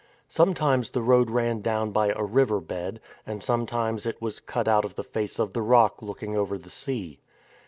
Sometimes the road ran down by a riverbed, and sometimes it was cut out of the face of the rock look ing over the sea.